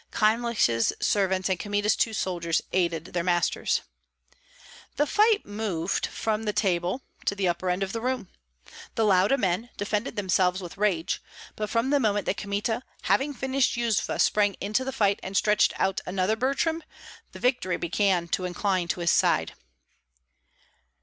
Kyemlich's servants and Kmita's two soldiers aided their masters. The fight moved from the table to the upper end of the room. The Lauda men defended themselves with rage; but from the moment that Kmita, having finished Yuzva, sprang into the fight and stretched out another Butrym, the victory began to incline to his side.